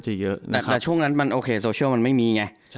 แต่ช่วงนั้นมันโอเคโซเชียลมันไม่มีไง